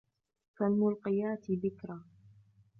فَالْمُلْقِيَاتِ ذِكْرًا